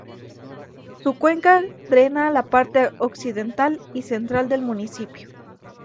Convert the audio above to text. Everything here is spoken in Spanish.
Su cuenca drena la parte occidental y central del municipio.